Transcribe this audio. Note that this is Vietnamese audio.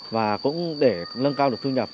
và cũng để nâng cao được thu nhập